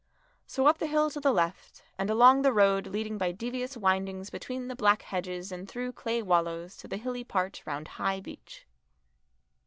So up the hill to the left, and along the road leading by devious windings between the black hedges and through clay wallows to the hilly part round High Beech.